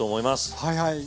はいはい！